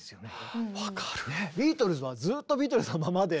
ビートルズはずっとビートルズのままで。